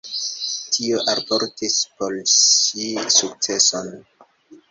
Tio alportis por ŝi sukceson.